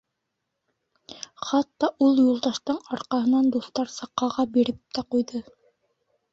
Хатта ул Юлдаштың арҡаһынан дуҫтарса ҡаға биреп тә ҡуйҙы.